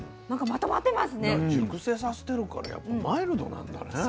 熟成させてるからやっぱマイルドなんだね。